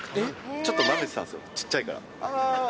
ちょっとなめてたんですよ、ちっちゃいから。